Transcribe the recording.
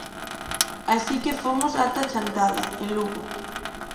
Así que fomos ata Chantada, en Lugo.